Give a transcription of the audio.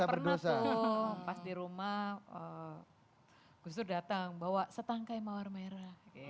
gak pernah tuh pas di rumah gus dur datang bawa setangkai mawar merah